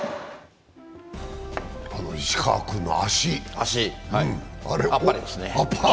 石川君の足、あれ。